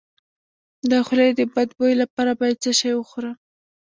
د خولې د بد بوی لپاره باید څه شی وخورم؟